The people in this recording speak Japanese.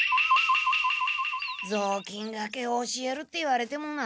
ぞうきんがけを教えるって言われてもな。